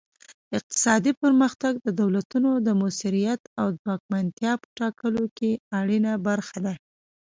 اقتصادي پرمختګ د دولتونو د موثریت او ځواکمنتیا په ټاکلو کې اړینه برخه ده